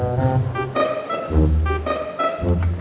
aduh aduh aduh